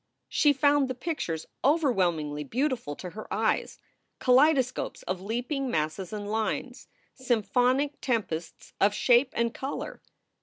She found the pictures overwhelmingly beautiful to her eyes, kaleidoscopes of leaping masses and lines, symphonic tempests of shape and color.